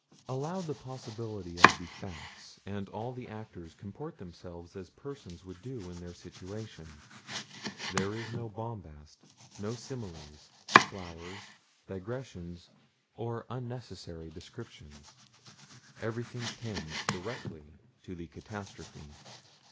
Allow the possibility of the facts, and all the actors comport themselves as persons would do in their situation. There is no bombast, no similes, flowers, digressions, or unnecessary descriptions. Everything tends directly to the catastrophe.